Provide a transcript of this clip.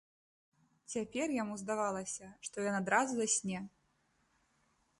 Цяпер яму здавалася, што ён адразу засне.